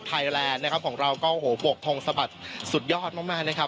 แลนด์นะครับของเราก็โอ้โหบวกทงสะบัดสุดยอดมากนะครับ